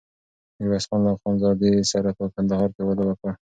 ميرويس خان له خانزادې سره په کندهار کې واده وکړ.